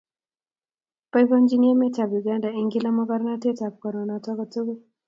boiboenchini emetab Uganda eng kila makortanatetab koronoto kotugul